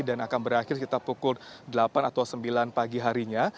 dan akan berakhir sekitar pukul delapan atau sembilan pagi harinya